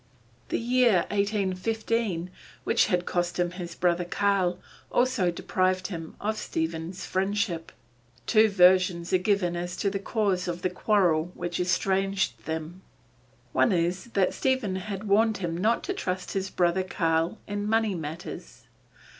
The year 1815, which had cost him his brother Karl, also deprived him of Stephen's friendship. Two versions are given as to the cause of the quarrel which estranged them. One is that Stephen had warned him not to trust his brother Karl in money matters.